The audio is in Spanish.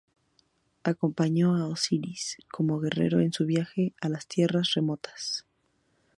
Acompañó a Osiris, como guerrero, en su viaje a las tierras remotas.